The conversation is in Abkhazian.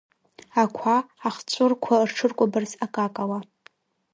Ақәа ахҵәырқәа рҽыркәабарц акакала…